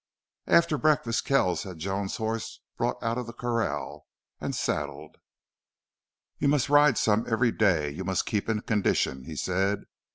After breakfast Kells had Joan's horse brought out of the corral and saddled. "You must ride some every day. You must keep in condition," he said.